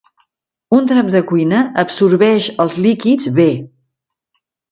Un drap de cuina absorbeix els líquids bé.